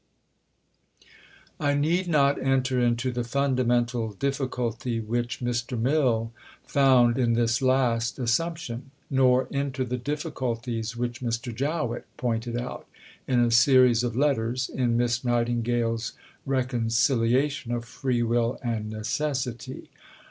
I need not enter into the fundamental difficulty which Mr. Mill found in this last assumption, nor into the difficulties which Mr. Jowett pointed out, in a series of letters, in Miss Nightingale's reconciliation of Free Will and Necessity.